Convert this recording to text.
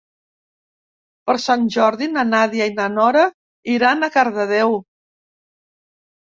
Per Sant Jordi na Nàdia i na Nora iran a Cardedeu.